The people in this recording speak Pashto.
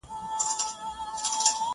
په کور کلي کي ماتم وو هنګامه وه!.